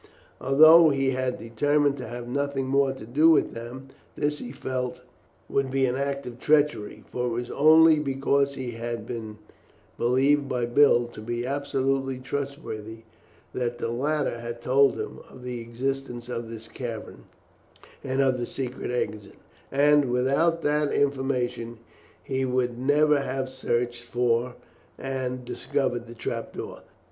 Although he had determined to have nothing more to do with them, this he felt would be an act of treachery, for it was only because he had been believed by Bill to be absolutely trustworthy, that the latter had told him of the existence of this cavern and of the secret exit, and without that information he would never have searched for and discovered the trap door.